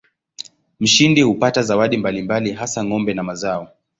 Mshindi hupata zawadi mbalimbali hasa ng'ombe na mazao.